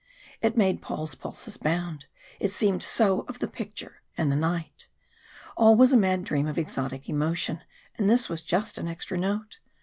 It made Paul's pulses bound, it seemed so of the picture and the night. All was a mad dream of exotic emotion, and this was just an extra note.